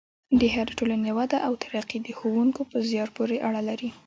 د هرې ټولنې وده او ترقي د ښوونکو په زیار پورې اړه لري.